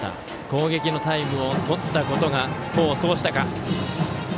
攻撃のタイムを取ったことが功を奏したか。